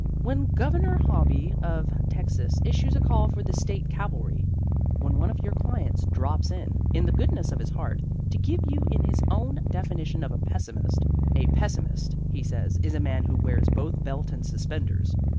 When Governor Hobby of Texas issues a call for the state cavalry. When one of your clients drops in, in the goodness of his heart, to give you his own definition of a pessimist a pessimist, he says, is a man who wears both belt and suspenders.